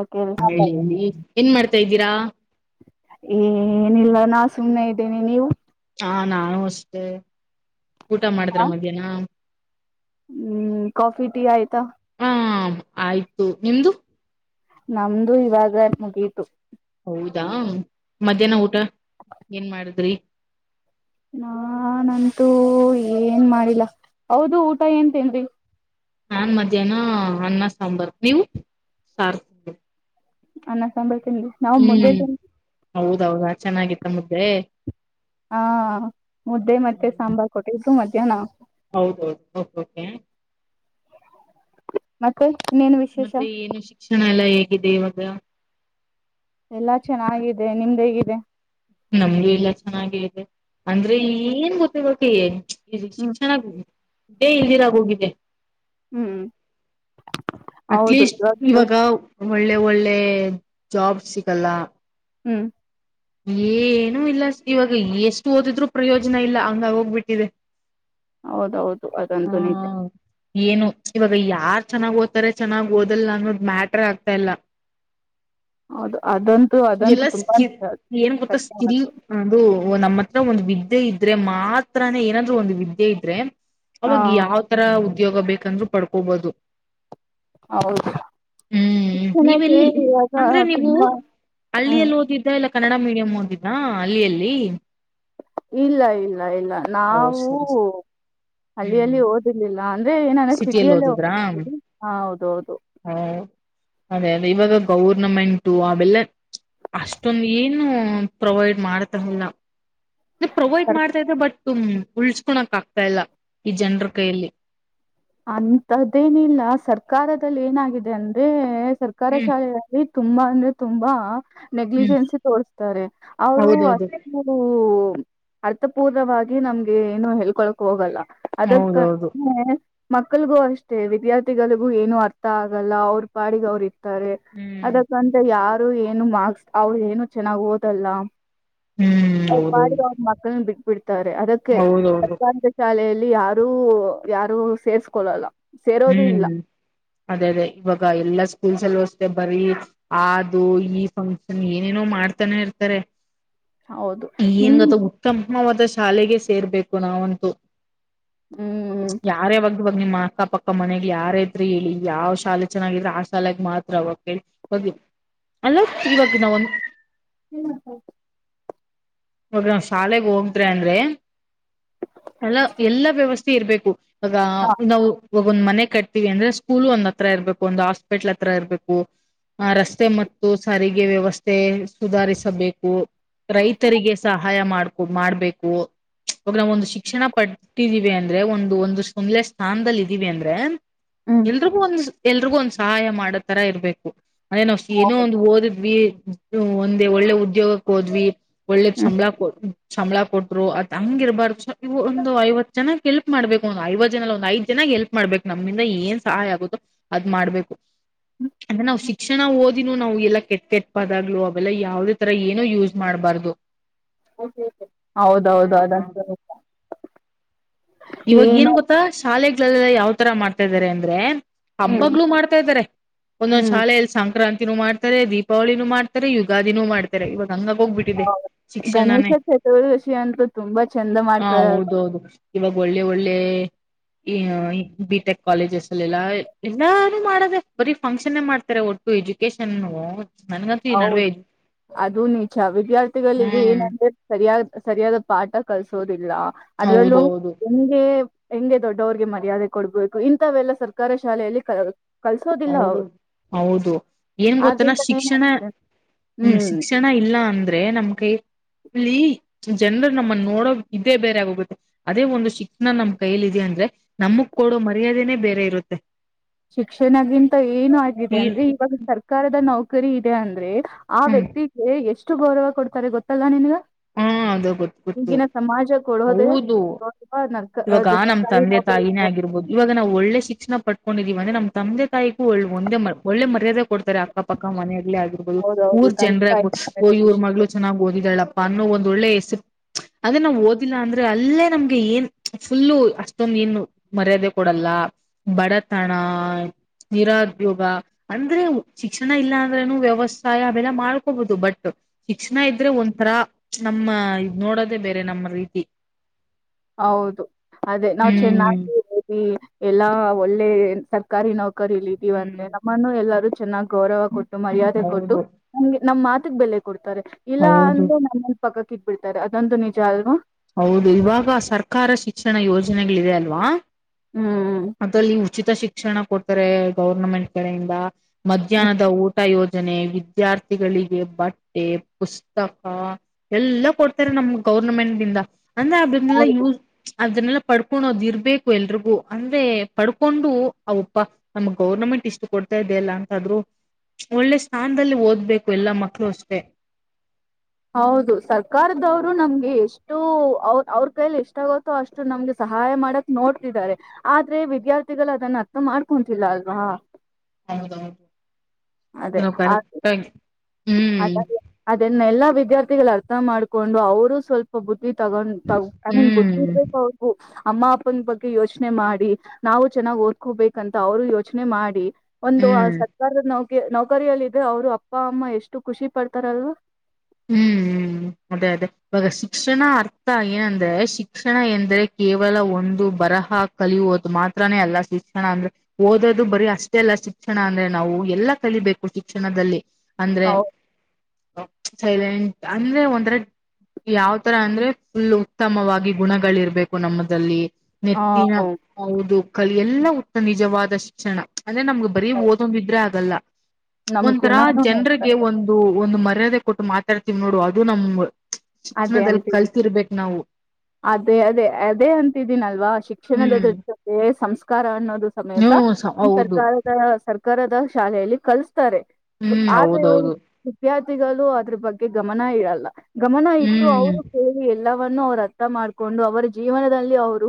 Okay ರೀ ಹ ಹೇಳಿ ಹೇಳಿ ಏನ್ ಮಾಡ್ತಾ ಇದ್ದೀರಾ ಏನಿಲ್ಲ ನಾ. ಸುಮ್ನೆ ಇದ್ದೀನಿ ನೀವು. ಹಾ ನಾನು ಅಷ್ಟೇ. ಊಟ ಹ ಮಾಡಿದ್ರ ಮಧ್ಯಾಹ್ನ. ಹ್ಮ್ ಕಾಫಿ ಟೀ ಆಯ್ತಾ. ಹಾ ಆಯ್ತು ನಿಮ್ದು. ನಮ್ದು ಇವಾಗ ಮುಗೀತು. ಹೌದಾ. ಮಧ್ಯಾಹ್ನ ಊಟ ಏನ್ ಮಾಡಿದ್ರಿ. ನಾ ನಂತೂ ಏನ್ ಮಾಡಿಲ್ಲ ಹೌದು ಊಟ ಏನ್ತೇನ್ರಿ. ನಾನ್ ಮಧ್ಯಾಹ್ನ ಅನ್ನ ಸಾಂಬಾರ್ ನೀವು ಸಾರ್. ಅನ್ನ ಸಾಂಬಾರ್. ಇ ನಾವು ಮುದ್ದೆ ತಿನ್. ಹೌೌದಾ ಚೆನ್ನಾಗಿತ್ತ ಮುದ್ದೆ. ಹಾ. ಮುದ್ದೆ ಮತ್ತೆ ಸಾಂಬಾರ್ ಕೊಟ್ಟೆ ಇದು ಮ್. ಏನ. ಹೌದೌದುೆ. ಮತ್ತೆ. ಇನ್ನೇನು ವಿಶೇಷ ಮತ್ತೆ ಏನು ಶಿಕ್ಷಣ ಎಲ್ಲ. ಹೇಗಿದೆ ಇವಾಗ. ಎಲ್ಲಾ ಚೆನ್ನಾಗಿದೆ ನಿಮ್ದ ಹೇಗಿದೆ. ನಮ್ದು ಎಲ್ಲ ಚೆನ್ನಾಗ ಇದೆ. ಅಂದ್ರೆ ಏನ್ ಗೊತ್. ಕಿ ಹೋಕಿ. ಇಲ್ಲಿ ಹ್ಮ್ ಶಿಕ್ಷಣ. ೇ [inaudible] ಇಲ್ದಿರಗೋಗಿದೆ. ಹ್ಮ್ ಹೌದು ಅಟ್ಲಿಸ್ ಇವಾಗ ಈವಾಗ. ಒಳ್ಳೆ ಒಳ್ಳೆ ಜಾಬ್ ಸಿಕ್ಕಲ್ಲ. ಹು ಏನುೂ ಇಲ್ಲ ಇವಾಗ ಎಷ್ಟು ಓದಿದ್ರು ಪ್ರಯೋಜನ ಇಲ್ಲ ಹಂಗ ಹೋಗ್ಬಿಟ್ಟಿದೆ. ಹೌದೌದು ಅದಂತೂ ನಿಜ. ಏನು ಇವಾಗ ಯಾರ್ ಚೆನ್ನಾಗ್ ಓದ್ತಾರೆ ಚೆನ್ನಾಗ್ ಓದಲ್ಲಾ ಅನ್ನೋದು ಮ್ಯಾಟ್ರ ಆಗ್ತಾ ಇಲ್ಲ. ಹೌದು ಅದಂತೂ ಅದಂತೂ ಎಲ್ಲ ತುಂಬಾ ಸ್ಕಿ ನಿಜ ಅದ್. ಏನ್ ಗೊತ್ತಾ ಸ್ಕಿಲ್ ಅದು ನಮ್ಮತ್. ಒಂದ್ ವಿದ್ಯೆ ಇದ್ರೆ ಮಾತ್ರಾನೇ ಏನಾದ್ರು ಒಂದು ವಿದ್ಯೆ ಇದ್ರೆ ಹಾ ಅವಾಗ ಯಾವ ತರ ಉದ್ಯೋಗ ಬೇಕಂದ್ರು ಪಡ್ಕೋಬಹದು ಹೌದು ನೀವೆಲ್ಲಿ ಶಿಕ್ಷಣಕ್ಕೆಇವಾಗ ಅಂದ್ರೆ ನೀವು ತುಂಬಾ ಹು ಹಳ್ಳಿಯಲ್ಲಿ ಓದಿದ್ದ ಇಲ್ಲ ಕನ್ನಡ ಮೀಡಿಯಂ ಓದಿದ್ದ ಹಳ್ಳಿಯಲ್ಲಿ ಇಲ್ಲ ಇಲ್ಲ ಇಲ್ಲ ಓ ನಾವು ಸರಿ ಸರಿ ಹ್ಮ್ ಹಳ್ಳಿಯಲ್ಲಿ ಓದಿರ್ಲಿಲ್ಲ ಅಂದ್ರೆ ಏನಂದ್ರ ಸಿಟಿಯಲ್ಲಿ ಸಿಟಿಯಲ್ಲೇ ಓದಿದ್ರಾ ಹೊಕ್ತಿದೆ ಹ ಹೌದ ಹೌದ ಹಾ ಅದೇ ಅದೇ ಇವಾಗ ಗೌರ್ನಮೆಂಟು ಅವೆಲ್ಲ ಅಷ್ಟೊಂದು ಏನು ಪ್ರೊವೈಡ್ ಮಾಡತಿರಲಿಲ್ಲ ಪ್ರೊವೋಡ್ ಮಾಡ್ತಾ ಇದೆ ಬಟ್ ತು ಉಳಸ್ಕೊನಕೆ ಆಗ್ತಾ ಇಲ್ಲ ಈ ಜನರ ಕೈಯಲ್ಲಿ ಅಂತದೇನಿಲ್ಲ ಸರ್ಕಾರದಲ್ಲಿ ಏನಾಗಿದೆ ಅಂದ್ರೆ ಸರ್ಕಾರ ಹ್ಮ್ ಶಾಲೆಗಳಯಲ್ಲಿ ತುಂಬಾ ಅಂದ್ರೆ ತುಂಬಾ ಹ್ಮ್ ನಗ್ಲಿಜೆನ್ಸಿ ತೋರಿಸ್ತಾರೆ ಅವರು ಹೌದೌದು ಅಷ್ಟು ಅರ್ಥಪೂರ್ವವಾಗಿ ನಮ್ಗೆ ಏನು ಹೇಳ್ಕೊಳ್ಕ್ ಹೋಗಲ್ಲ ಅದಕ್ಕ ಹೌದೌದು ಹು ಮಕ್ಕಳಗೂ ಅಷ್ಟೆ ವಿದ್ಯಾರ್ಥಿಗಳಿಗೂ ಏನು ಅರ್ಥ ಆಗಲ್ಲ ಅವ್ರ ಪಾಡಿಗೆ ಅವ್ರ ಇ ಇರ್ತಾರೆ ಹ್ಮ್ ಅದಕ್ಕಂತ ಯಾ ಅದು ಏನು ಮಾರ್ಕ್ಸ್ ಅವಳು ಏನು ಚೆನ್ನಾಗ್ ಓದಲ್ಲ ಹ್ಮ್ ಅವರ ಪಾಡಿಗೆ ಹೌದೌದು ಅವ್ರ ಮಕ್ಕಳನ್ನ ಬಿಟ್ಬಿಡ್ತಾರೆ ಅದಕ್ಕೆ ಹೌದೌದು ಸರ್ಕಾರದ ಶಾಲೆಯಲ್ಲಿ ಯಾರು ಯಾರು ಸೇರ್ಸ್ಕೊಳ್ಳಲ್ಲ ಹ್ಮ್ ಅದೇ ಅದೇ ಇವಾಗ ಎಲ್ಲ ಸ್ಕೂಲ್ ಸಲು ಅಷ್ಟೇ ಬರೀ ಆದು ಈ ಫಂಕ್ಷನ್ ಏನೇನೋ ಮಾಡ್ತಾನ ಇರ್ತಾರೆ ಹೌದು ಏನ್ ನಿಮ್ ಗೊತ್ತ ಉತ್ತಮ ಹು ಮತ್ತ ಶಾಲೆಗೆ ಸೇರ್ಬೇಕು ನಾವಂತೂ ಹ್ಮ್ ಯಾರ ಯಾವಾಗುವಾಗ ನಿಮ್ಮ ಕಪ್ಪ ಅಕ್ಕ ಮನೆಗ್ ಯಾರ ಇದ್ರರು ಹೇಳಿ ಯಾವ್ ಶಾಲೆ ಚೆನ್ನಾಗಿದ್ರರು ಹಾಸ್ಟೆಲ್ ಲೈಫ್ ಮಾತ್ರ ಅವಾಗ ಹೇಳಿ ಅಲ್ಲ ಇವಾಗ ನಾವಂದ ಹ್ಮ್ ಹ್ಮ ಹ ನಾ ಶಾಲೆಗ್ ಹೋಗತ್ರೆ ಅಂದ್ರೆ ಅಲ್ಲ ಎಲ್ಲ ವ್ಯವಸ್ಥೆ ಇರ್ಬೇಕು ಆ ಹ ನಾವು ಇವಾಗೊಂದ್ ಮನೆ ಕಟ್ತೀವಿ ಅಂದ್ರೆ ಸ್ಕೂಲ್ ಒಂದ್ ಹತ್ರ ಇರಬೇಕು ಒಂದು ಹಾಸ್ಪಿಟ್ಲ್ ಹತ್ರ ಇರಬೇಕು ರಸ್ತೆ ಮತ್ತು ಸಾರಿಗೆ ವ್ಯವಸ್ಥೆ ಸುಧಾರಿಸಬೇಕು ರೈತರಿಗೆ ಸಹಾಯ ಮಾಡ್ಕೊ ಮಾಡ್ಬೇಕು ಅವಾಗ ನಾವವುೊಂದು ಶಿಕ್ಷಣ ಪಟ್ಟಿದ್ದೀವಿ ಅಂದ್ರೆ ಒಂದು ಒಂದು ಸಂದೆ ಸ್ಥಾನದಲ್ಲಿ ಇದ [unintelligible] ವವಿ ಅಂದ್ರೆ ಹ್ಮ್ ಎಲ್ರಿಗೂ ಒಂದ ಎಲ್ರಿಗೂ ಒಂದ್ ಸಹಾಯ ಮಾಡೊ ತರ ಇರ್ಬೇಕು ಅದೇ ನಾವವು ಏನೋ ಹೌದು ಒಂದು ಓದಿದ್ವಿ ಒಂದು ಒಳ್ಳೆ ಉದ್ಯೋಗಕ್ಕೆ ಹೋದ್ವಿ ಒಳ್ಳೆ ಹ್ಮ್ ಸಂಬ್ಳ ಕೊಟ್ರ ಅದ್ ಹಂಗ ಇರಬಾರ್ದ ಸ ಇವು ಒಂದು ಐವತ್ತು ಜನ ಹೆಲ್ಪ್ ಮಾಡ್ಬೇಕು ಒಂದು ಐವತ್ತು ಜನಲ್ಲಿ ಒಂದು ಐದ ಚೆನ್ನಾಗ್ ಎಲ್ಪ್ ಮಾಡ್ಬೇಕು ನಮಿಂದ ಏನ್ ಸಹಾಯ ಆಗುತ್ತೋ ಅದ್ ಮಾಡ್ಬೇಕು ಅಂದ್ರೆ ನಾವವು ಶಿಕ್ಷಣ ಓದಿನೂ ನಾವು ಎಲ್ಲಾ ಕೆಟ್ಟ ಕೆಟ್ ಪದಾಗ್ಲೂ ಅವೆಲ್ಲಾ ಯಾವ್ದೇ ತರ ಏನೋ ಯೂಸ್ ಮಾಡ್ಬಾರ್ದ ಹೌದೌದು ಅದಂತ ನಿಜ ಇವಾಗ ಏನ್ ಗೊತ್ತಾ ಶಾಲೆಗೆ ಯಾವ ತರ ಮಾಡ್ತಾ ಇದಾರೆ ಅಂದ್ರೆ ಹ್ಮ್ ಹಬ್ಬಗ್ಗಳುೂ ಮಾಡ್ತಾ ಇದ್ದಾರೆ ಒಂದೊಂದ್ ಹ್ಮ್ ಶಾಲೆಯಲ್ಲಿ ಸಂಕ್ರಾಂತಿ ಮಾಡ್ತಾರೆ ದೀಪಾವಳಿನ ಮಾಡ್ತಾರೆ ಯುಗಾದಿನೂ ಮಾಡ್ತಾರೆ ಇವಾಗ ಅಂಗ ಹೌ ಗಣೇಶ ಚತುರ್ದಶಿ ಅಂತೂ ತುಂಬಾ ಚಂದ ಹ ಮಾಡ್ತಾರರು ಅಲ್ವಾ ಹೌದೌದು ಇವಾಗ ಒಳ್ಳೆ ಒಳ್ಳೆ ಬಿ ಟೆಕ್ ಕಾಲೇಜಸ್ ಅಲ್ಲೆಲ್ಲ ಎಲ್ಲಾರು ಮಾಡದೆ ಬರೀ ಫಂಕ್ಷನ್ ಮಾಡ್ತಾರೆ ಒಟ್ಟು ಎಜುಕೇಶನ್ ನನ್ಗಂತೂ ಈ ನಡುವೆ ಹೌದು ಅದು ನಿಜ ವಿದ್ಯಾರ್ಥಿಗಳಿಗೆ ಹ್ಮ್ ಏನಂದ್ರೆ ಸರಿಯಾದ ಸರಿಯಾದ ಪಾಠ ಕಳ್ಸೋದು ಅದ್ರಲ್ಲೂ ಹೌದೌದು ನಿಮಗೆ ಹೆಂಗೆ ದೊಡ್ಡವ್ರಿಗೆ ಮರ್ಯಾದೆ ಕೊಡ್ಬೇಕು ಇಂಥವೆೆಲ್ಲಾ ಸರ್ಕಾರಿ ಶಾಲೆಯಲ್ಲಿ ಕಲ್ಸೋದಿಲ್ಲ ಹೌದು ಅವ್ರು ಹೌದು ಏನ್ ಗೊತ್ತನಾ ಆದ್ರಿಂದ ಶಿಕ್ಷಣ ಏನಾಗ್ತದೆ ಹ್ಮ ಹ್ಮ್ ಶಿಕ್ಷಣ ಇಲ್ಲ ಅಂದ್ರೆ ನಮ್ ಕೈಲ್ಲಿ ಜನರು ನಮ್ಮನ್ನ ನೋಡೋ ಇದೇ ಬೇರೆ ಆಗೋಗುತ್ತೆ ಅದೇ ಒಂದು ಶಿಕ್ಷಣ ನಮ್ ಕೈಯಲ್ಲಿದೆ ಅಂದ್ರೆ ನಮಕ್ ಕೊಡೋ ಮರ್ಯಾದೆನೇ ಬೇರೆ ಇರುತ್ತೆ ಶಿಕ್ಷಣಗಿಂತ ಏನು ಆಗಿದೆ ಈ ಅಂದ್ರೆ ಇವಾಗ ಸರ್ಕಾರದ ನೌಕರಿ ಸಕರಿ ಇದೆ ಅಂದ್ರೆ ಆ ಹ್ಮ್ ವ್ಯಕ್ತಿಗೆ ಎಷ್ಟು ಎಷ್ಟು ಗೌರವ ಕೊಡ್ತಾರೆ ಗೊತ್ತಲ್ಲ ನಿನ್ಗ ಹಾ ಅದ ಗೊತ್ತ ಗೊತ್ತು ಈಗಿನ ಸಮಾಜ ಕೊಡೋದೇ ಹೌದು ಗೌರವ ನರ್ಕ ಇವಾಗ ಅದು ನಮ್ ಸರ್ಕಾರಿ ತಂದೆ ನೌಕರಿ ತಾಯಿನೇ ಇದೆ ಆಗಿರ್ಬೋದು ಇವಾಗ ನಾವು ಒಳ್ಳೆ ಶಿಕ್ಷಣ ಪಟ್ಟ ಹೊಂಡಿದ್ದೀವಿ ಅಂದ್ರ ನ ತಂದೆ ತಾಯಿ ಒಳ್ಳ ಒಂದೆ ಒಳ್ಳೆ ಮರ್ಯಾದೆ ಕೊಡ್ತಾರೆ ಅಕ್ಕಪಕ್ಕ ಮನಾಗೇ ಆಗಿರ್ಬಹದು ಹೌದೌದು ಊರ್ ತಂದೆ ಜನರ ತಾಯಿ ಓ ಇವ್ರ ಖುಷಿ ಮಗಳು ಚೆನ್ನಾಗಿ ಓದಿದಾಳಪ್ಪ ಅನ್ನೋ ಒ ಒಳ್ಳೆ ಹೆಸರು ಅದೇ ನಾವ್ ಓದಿಲ್ಲ ಅಂದ್ರೆ ಅಲ್ಲೇ ನಮ್ಗೆ ಏನ್ ಫುಲ್ಲು ಅಷ್ಟೊಂದು ಏನು ಮರ್ಯಾದೆ ಕೊಡಲ್ಲ ಬಡತನ ನಿರುದ್ಯೋಗ ಅಂದ್ರೆ ಶಿಕ್ಷಣ ಇಲ್ಲ ಅಂದ್ರನು ವ್ಯವಸಾಯ ಅವೆಲ್ಲ ಮಾಡ್ಕೋಬಹುದು ಬಟ್ ಶಿಕ್ಷಣ ಇದ್ರೆ ಒಂಥರ ನಮ್ಮ ಇದ ನೋಡದೇ ಬೇರೆ ನಮ್ಮ ರೀತಿ ಹೌದು ಅದೇ ನಾವವು ಹ್ಮ್ ಚೆನ್ನಾಗಿ ಎಲ್ಲಾ ಒಳ್ಳೆ ಸರ್ಕಾರಿ ನೌಕರಿ ಕರೀಲಿದೀವಿ ಅಂತೆ ನಮ್ಮನ್ನು ಎಲ್ಲರೂ ಚೆನ್ನಾಗಿ ಗೌರವ ಕೊಟ್ಟ ಮರ್ಯಾದೆ ಕೊಟ್ಟು ಹೌದು ನಮ್ಗೆ ನಮ್ಮ್ ಮಾತ ಬೆಲೆ ಕೊಡ್ ಇಲ್ಲ ಹೌದು ಅಂದ್ರೆ ನಮ್ಮಂದು ಪಕ್ಕ ಕಿಟ್ಬ ಬಿಡ್ತಾರೆ ಅದೊಂದು ನಿಜ ಅಲ್ವಾ ಹೌದು ಇವಾಗ ಸರ್ಕಾರ ಶಿಕ್ಷಣ ಯೋಜನೆಗಳಿದೆ ಅಲ್ವಾ ಹ್ಮ್ ಅದಲ್ಲಿ ಉಚಿತ ಶಿಕ್ಷಣ ಕೊಟ್ಟ ಗೌರ್ಮೆಂಟ್ ಕಡೆಯಿಂದ ಹ್ಮ್ ಮಧ್ಯಾಹ್ನದ ಊಟ ಯೋಜ ಜನೆ ವಿದ್ಯಾರ್ಥಿಗಳಿಗೆ ಬಟ್ಟೆ ಪುಸ್ತಕ ಎಲ್ಲ ಕೊಡ್ತಾರೆ ನಮ್ಮ ಗೌರ್ಮೆಂಟ್ ದಿಂದ ಅಂದ ಅಲ್ಲ ಯೂ ಹೌದು ಅದನ್ನೆಲ್ಲ ಪಡ್ಕೊಂಡದ ಇರ್ಬೇಕು ಎಲ್ರಿಗೂ ಅಂದ್ರೆ ಪಡ್ಕೊಂಡು ಅವಪ್ಪ ನಮ್ ಗೌರ್ನಮೆಂಟ್ ಇಷ್ಟು ಕೊಡ್ತಾ ಇದದೆ ಅಲ್ಲ ಅಂತಾದ್ರು ಒಳ್ಳೆ ಸ್ಥಾನದಲ್ಲಿ ಓದ್ಬೇಕು ಎಲ್ಲಾ ಮಕ್ಳು ಅಷ್ಟೆ ಹೌದು ಸರ್ಕಾರದವರು ನಮ್ಗೆ ಎಷ್ಟು ಅವ ಅವ್ರ ಕೈಲಿ ಎಷ್ಟಾಗುತ್ತೋ ಅಷ್ಟು ನಮ್ಗೆ ಸಹಾಯ ಮಾಡಕ್ ನೋಡ್ತಿದ್ದಾರೆ ಆದ್ರೆ ವಿದ್ಯಾರ್ಥಿಗಳು ಅದನ್ನ ಅರ್ಥ ಮಾಡ್ಕೊಂತಲ್ಲ ಅಲ್ವಾ ಹೌದೌದು ಅದೇ ಏನೋ ಅ ಕರೆಕ್ಟ್ ಆಗಿ ಹ್ಮ್ ಅದೇ ಎಲ್ಲಾ ವಿದ್ಯಾರ್ಥಿ ಅರ್ಥ ಮಾಡ್ಿಕೊಂಡು ಅವರು ಸ್ವಲ್ಪ ಬುದ್ಧಿ ತಗೊಂಡ್ ತಗ ಐ ಮೀನ್ ಬುದ್ಧಿ ಹ್ಮ್ ಇರ್ಬೇಕ ಅವು ಅಮ್ಮ ಅಪ್ಪನ ಬಗ್ಗೆ ಯೋಚನೆ ಮಾಡಿ ನಾವು ಚೆನ್ನಾಗ್ ಓದ್ಕೋಬೇಕಂತ ಅವರು ಯೋಚನೆ ಮಾಡಿ ಒಂದು ಆ ಹ್ಮ್ ಸರ್ಕಾರದ ನಾವು ನೌಕರಿಯಲ್ಲಿದ್ರೆ ಅವ್ರು ಅಪ್ಪ ಅಮ್ಮ ಎಷ್ಟು ಖುಷಿ ಪಡ್ತಾರಲ್ವಾ ಹ್ಮ್ ಅದೇ ಅದೇ ಇವಾಗ ಶಿಕ್ಷಣ ಅರ್ಥ ಏನಂದ್ರೆ ಶಿಕ್ಷಣ ಎಂದ್ರೆ ಕೇವಲ ಒಂದು ಬರಹ ಕಲಿಯುವೋದು ಮಾತ್ರಾನೇ ಅಲ್ಲ ಶಿಕ್ಷಣ ಅಂದ್ರೆ ಓದೋದು ಬರಿೀ ಅಷ್ಟೇ ಅಲ್ಲ ಶಿಕ್ಷಣ ಅಂದ್ರೆ ನಾವು ಎಲ್ಲಾ ಕಲಿಬೇಕು ಶಿಕ್ಷಣದಲ್ಲಿ ಅಂದ್ರೆ ಸೈಲೆಂಟ್ ಅಂದ್ರೆ ಒಂಥರ ಯಾವತರ ಅಂದ್ರೆ ಫುಲ್ ಉತ್ತಮವಾಗಿ ಗುಣಗಳಿರ್ಬೇಕು ನಮ್ಮಲ್ಲಿ ನೆತ್ತಿನ ಹೌದು ಕಲಿ ಎಲ್ಲ ಇದು ನಿಜವಾದ ಶಿಕ್ಷಣ ಅಂದ್ರೆ ನಮ್ಗೆ ಬರ ಓದೊ್ಿದ್ರೆ ಆಗಲ್ಲ ನಮ್ ಒಂಥರ ಗುಣಾನು ಜನಗೆ ಹೇಳ್ತಾರೆ ಒಂದು ಒಂದು ಮ ದ್ರೆ [unintelligible] ಕೊಟ್ಟು ಮಾತಾಡ್ತಿವ್ ನೋಡು ಅದು ನಮ್ಮ್ ಅದೇ ಶಿಕ್ಷಣದಲ್ಲಿ ಅಂತಿದ್ದಿ ಕಲ್ತಿರ್ಬೇಕು ನಾವು ಅದೇ ಅದೇ ಅದೇ ಅಂತಿದ್ದೀನಲ್ವಾ ಶಿಕ್ಷಣದ ಹ್ಮ್ ದೃಷ್ಟ್ಯತೆ ಸಂಸ್ ಅಧಿಕಾರ ಸಮೇತ ನೀವು ಹೌದು ಸರ್ಕಾರದ ಸರ್ಕಾರದ ಶಾಲೆಯಲ್ಲಿ ಕಲಿಸ್ತಾರೆ ಹ್ಮ್ ಆದ್ರೆ ಹೌದೌದು ವಿದ್ಯಾರ್ಥಿ ತಿಳಿಯಲು ಅದ್ರರ ಬಗ್ಗೆ ಗಮನ ಇರಲ್ಲ. ಗಮನ ಇಟ್ಟು ಹ್ಮ್ ಅವರು ಕೇಳಿ ಎ ಎಲ್ಲವನ್ನೂ ಅವರತ್ತೆ ಊಟ ಮಾಡ್ಕೊಂಡು ಅವರ ಜೀವನದಲ್ಲಿ ಅವರು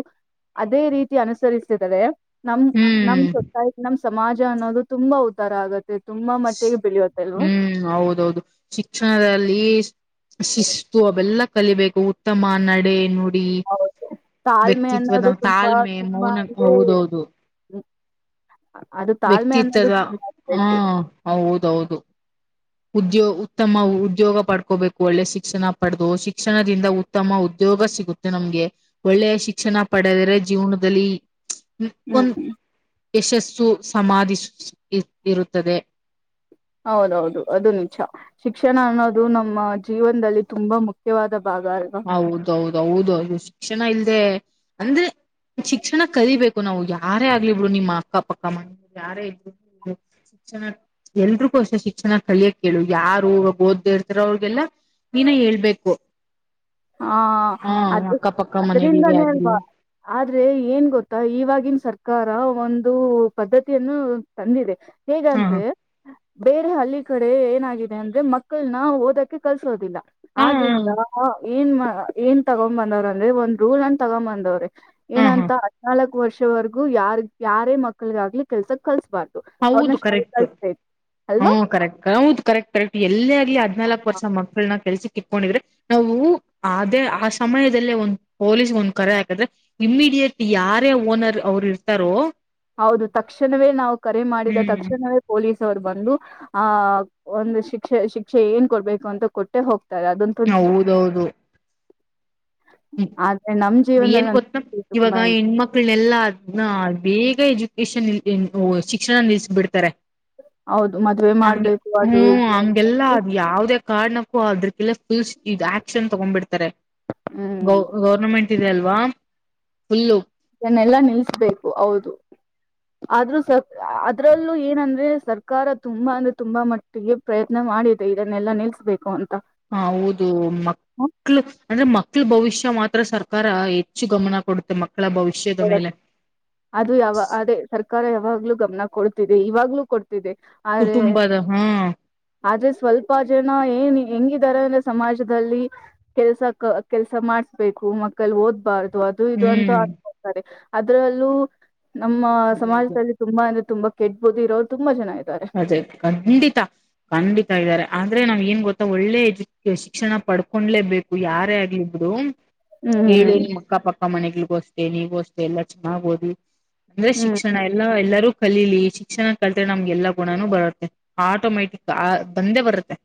ಅದೇ ರೀತಿ ಅನುಸರಿಸಿದರೆ ನಮ್ ನಮ್ ಹ್ಮ್ ಗೊತಾಯ್ತು ನಮ್ ಸಮಾಜ ಅನ್ನೋದು ತುಂಬಾ ಉದ್ದಾರ ಆಗತ್. [unintelligible] ಹ್ಮ್ ಹೌದೌದು. ಶಿಕ್ಷಣದಲ್ಲಿ ಅ ಶಿಸ್ತು ಅಬಲ್ ಎಲ್ಲ ಕಲಿಬೇಕು ಉತ್ತಮ ನಡೆ ನೋಡಿ. ಹೌದು. ತಾಳ್ಮೆ ಅನ್ನೋದು ತುಂಬಾ ತಾಳ್ಮೆ ತುಂಬಾ ಮೌನ ಅಂದ್ರೆ ಮ್. ವ್ಯಕ್ತಿತ್ತದ. ತುಂಬಾ ಹಾ ಬೇಕು. ಹೌದೌದು. ಉದ್ಯೋ ಉತ್ತಮ ಉದ್ಯೋಗ ಪಡ್ಕೋಬೇಕು ಒಳ್ಳೆ ಶಿಕ್ಷಣ ಪಡೆದು. ಶಿಕ್ಷಣದಿಂದ ಉತ್ತಮ ಉದ್ಯೋಗ ಸಿಗುತ್ತೆ ನಮ್ಗೆ. ಒಳ್ಳೆ ಶಿಕ್ಷಣ ಪಡೆದ್ರೆ ಜೀವನದಲ್ಲಿ ಹ್ಮ್ ಒನ್ ಯಶಸ್ಸು ಸಮಾಧಿಸು ಸು ಇರ್ ಇರುತ್ತದೆ. ಹೌದೌದು ಅದು ನಿಜ ಶಿಕ್ಷಣ ಅನ್ನೋದು ನಮ್ಮ ಜೀವನ್ದಲ್ಲಿ ತುಂಬಾ ಮುಖ್ಯವಾದ ಬಗ್ಯಾ. ರಿಗ ಹೌದೌದು. ಕ್ಷಷಣ ಇಲ್ದೆ. ಅಂದ್ರೆ. ಶಿಕ್ಷಣ ಕಲಿಬೇಕು. ನಾವು ಯಾರೇ ಆಗ್ಲಿಬಿಡು ನಿಮ್ಮ ಅಕ್ಕ ಪಕ್ಕ ಮನೆಯವರ್ ಯಾರೇ ಇದ್ರು [unintelligible] ಶಿಕ್ಷಣ ಎಲ್ರಿಗೂ ಅಷ್ಟೆ ಶಿಕ್ಷಣ ಕಲಿಯಕ್ಕೇಳು ಯಾರು ಓದ್ದೇ ಇರ್ತಾರೋ ಅವ್ರಿಗೆಲ್ಲಾ ನೀನ ಹೇಳ್ಬೇಕು. ಹಾ ಹಾ ಅದು ಅಕ್ಕಪಕ್ಕ ಮನೆಗಳಿಗೆ ಅದ್ರಿಂದಾನೇ ಅಲ್ವಾ. ಆಗಿರ್ಲಿ ಆದ್ರೆ ಏನ್ ಗೊತ್ತಾ ಇವಾಗಿನ್ ಸರ್ಕಾರ ಗ ಒಂದು ಪದ್ಧತಿಯನ್ನು ತಂದಿದೆ. ಹಾ ಹೇಗಂದ್ರೆ. ಬೇರೆ ಹಳ್ಳಿ ಕಡೆ ಏನಾಗಿದೆ ಅಂದ್ರೆ ಮಕ್ಕಳ್ನ ಓದಕ್ಕೆ ಕಲ್ಸೋದಿಲ್ಲ. ಹಾ ಹಾ ಆದ್ರಿಂದಾ ಅ ಏನ್ ಮ ಏನ್ ತಗೊಂಬಂದವ್ರ್ ಅಂದ್ರೆ ಒಂದ್ ರೂಲ್ ಅನ್ ತಗನ್ಬಂದವ್ರೆ. ಹಾ ಹಾ ಏನಂತ ಹದ್ನಾಲ್ಕು ವರ್ಷ ಟು ವರೆಗೂ ಯಾರ್ಗ್ ಯಾರೇ ಮಕ್ಳಗಾಗ್ಲಿ ಕೆಲ್ಸಕ್ ಕಲ್ಸಬಾರ್ದ್ ಹೌದು ಕರೆಕ್ಟ್ ಹು ಅಲ್ವಾ ಕರೆಕ್ಟ್ ಹೌದು ಕರೆಕ್ಟ್ ಕರೆಕ್ಟ್ ಎಲ್ಲೇ ಆಗ್ಲಿ ಹದ್ನಾಲ್ಕಕ್ ವರ್ಷ ಮಕ್ಕಳ್ನ ಕೆಲ್ಸ್ ಇಕೊಂಡಿದ್ರೆ ನಾವು ಅದೇ ಆ ಸಮಯದಲ್ಲೇ ಒಂದ್ ಪೊಲೀಸ್ ಒಂದ್ ಕರೆ ಹಾಕಿದ್ರೆ ಇಮ್ಮಿಡಿಯೇಟ್ ಯಾರೇ ಓನರ್ ಅವರು ಇರ್ತಾರೋ ಹೌದು ತಕ್ಷಣ್ವೇ ನಾವು ಕರೆ ಮಾಡಿದ ಹ್ಮ್ ತಕ್ಷಣವೇ ಪೊಲೀಸ್ ರು ಬಂದು ಆ ಒಂದು ಶಿಕ್ಷೆ ಶಿಕ್ಷೆ ಏನ್ ಕೊಡ್ಬೇಕು ಅಂತ ಕೊಟ್ಟೆ ಹೋಗ್ತಾರೆ ಅದೊನ್ ತುಂಚ ಹೂ ಏನ್ ಗೊತ್ತ ಜೀವನದಲ್ಲಿ ಇವಾಗ ತುಂಬಾ ಹೆಣ್ಮಕ್ಳನೆಲ್ಲಾ ಅದನ್ನ ಬೇಗ ಎಜು ಅಡ್ಮಿಷನ್ ಇಲ್ದೇ ಶಿಕ್ಷಣ ನಿಲ್ಲಸ್ಬಿಡ್ತಾರೆ ಹೌದು ಮದ್ವೆ ಹಗೆ ಮಾಡ್ಬೇಕು ಅದು ಹೂ ಇದು ಹಂಗೆಲ್ಲ ಅದು ಯಾವ್ದೇ ಕಾರ್ಡ್ಣಕ್ಕೂ ಅದ್ರಕಲ್ಲ ಫುಲ್ ಇ ಆಕ್ಷನ್ ತಗೊಂಡ್ಬಿಡ್ತಾರೆ ಹ್ಮ್ ಗೌ ಗೌರ್ಮೆಂಟ್ ಅಲ್ವಾ ಫುಲ್ಲ ಇದನ್ನೆಲ್ಲಾ ನಿಲ್ಸ್ಬೇಕು ಹೌದು ಆದ್ರೂ ಸ ಅದ್ರಲ್ಲೂ ಏನಂದ್ರೆ ಸರ್ಕಾರ ತುಂಬಾ ಅಂದ್ರೆ ತುಂಬಾ ಮಟ್ಟಿಗೆ ಪ್ರಯತ್ನ ಮಾಡಿದೆ ಇದನ್ನೆಲ್ಲ ನಿಲ್ಸ್ಬೇಕು ಅಂತ ಹ ಹೌದು ಮಕ್ಳ ಅಂದ್ರೆ ಮಕ್ಳ ಭವಿಷ್ಯ ಮಾತ್ರ ತ್ರ ಸರ್ಕಾರ ಹೆಚ್ಚು ಗಮನ ಕೊಡುತ್ತೆ ಮಕ್ಕಳ ಭವಿಷ್ಯದ ಮೇಲೆ ಅದು ಯಾವ ಅದೇ ಸರ್ಕಾರ ಯಾವಾಗ್ಲೂ ಗಮನ ಕೊಡ್ತಿದೆ ಇವಾಗ್ಲುೂ ಕೊಡ್ ಕುಟುಂಬದ ಹಾ ಆದ್ರೆ ಸ್ವಲ್ಪ ಜನ ಏನ್ ಹೆಂಗಿದಿದ್ದಾರೆ ಅಂದ್ರೆ ಸಮಾಜದಲ್ಲಿ ಕೆಲ್ಸ ಕೆಲ್ಸ ಮಾಡ್ಸ್ಬೇಕು ಮಕ್ಕಳ ಓದ್ಬಾರ್ದ ಅದು ಇದು ಅಂತ ಹ್ಮ್ ಅದ್ರಲ್ಲೂ ನಮ್ಮ ಅದೇ ಅದೇ ಸಮಾಜದಲ್ಲಿ ತುಂಬಾ ಅಂದ ತುಂಬ ಕೆಟ್ಟಬುದ್ದಿ ಇರೋರು ತುಂಬ ಜನ ಇದ ಅದೇ ಖಂಡಿತ ಖಂಡಿತ ಇದ್ದಾರೆ ಆದ್ರೆ ನಾವ್ ಏನ್ ಗೊತ್ತಾ ಒಳ್ಳೆ ಎಜುಕೇಶನ್ ಶಿಕ್ಷಣ ಪಡ್ಕೊಂಡಲೇಬೇಕು ಯಾರೇ ಆಗಿದ್ರೂ ಏು ನಿ ಹ್ಮ್ ಅಕ್ಕ ಪಕ್ಕ ಅ ಮನೆಗಳಗೋಸ್ತೇ ನೀಗೋಸ್ೆ ಎಲ್ಲ ಚೆನ್ನಾಗ ಓದಿ ಅಂದ್ರೆ ಹ್ಮ್ ಶಿಕ್ಷಣ ಹ್ಮ್ ಎಲ್ಲ ಎಲ್ಲಾರೂ ಕಲಿಲಿ ಶಿಕ್ಷಣ ಕಲ್ತರೆ ನಮ್ಗೆಲ್ಲಾ ಗುಣನೂ ಬರುತ್ತೆ ಆಟೋಮ್ಯಾಟಿಕ್ ಆ ಬಂದೇ ಬರುತ್ತೆ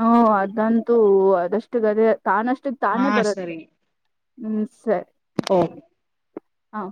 ಹ ಅದಂತೂ ಅದಷ್ಟು ಗದೆ ತಾನಷ್ಟು ಹಾ ತಾನೇ ಬರುತ್ತೆ ಸರಿ ಸರಿ ಓಕೆ ಹಾ